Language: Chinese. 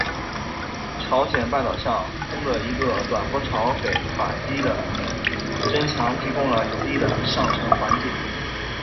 朝鲜半岛上空的一个短波槽给法茜的增强提供了有利的上层环境。